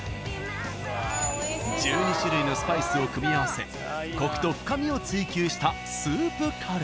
１２種類のスパイスを組み合わせコクと深みを追求したスープカレー。